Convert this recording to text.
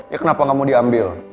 ya kenapa nggak mau diambil